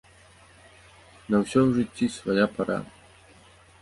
На ўсё ў жыцці свая пара.